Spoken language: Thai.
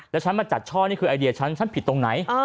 แล้วฉันมาจัดช่อนี่คือไอเดียฉันฉันผิดตรงไหน